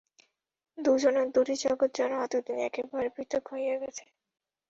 দুজনের দুটি জগৎ যেন এতদিনে একেবারে পৃথক হইয়া গিয়াছে।